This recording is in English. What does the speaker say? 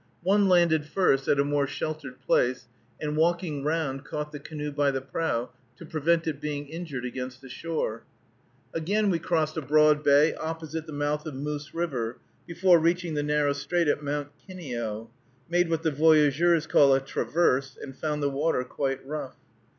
One landed first at a more sheltered place, and walking round caught the canoe by the prow, to prevent it being injured against the shore. Again we crossed a broad bay opposite the mouth of Moose River, before reaching the narrow strait at Mount Kineo, made what the voyageurs call a traverse, and found the water quite rough.